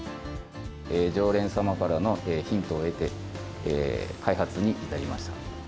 常連様からのヒントを得て、開発に至りました。